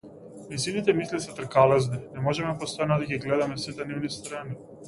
Нејзините мисли се тркалезни, не можеме постојано да ги гледаме сите нивни страни.